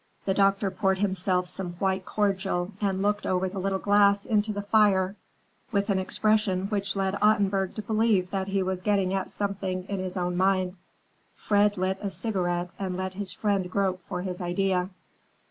The doctor poured himself some white cordial and looked over the little glass into the fire with an expression which led Ottenburg to believe that he was getting at something in his own mind. Fred lit a cigarette and let his friend grope for his idea.